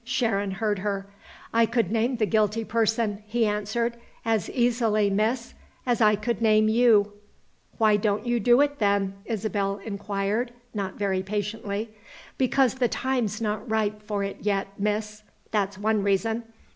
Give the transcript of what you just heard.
Sharon heard her. "I could name the guilty person," he answered, "as easily, miss, as I could name you." "Why don't you do it then?" Isabel inquired, not very patiently "Because the time's not ripe for it yet, miss that's one reason.